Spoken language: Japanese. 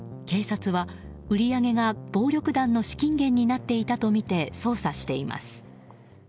警察は売り上げが暴力団の資金源になっていたとみて捜査しています。